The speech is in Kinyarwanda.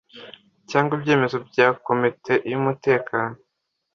cyangwa ibyemezo bya komite y’umutekano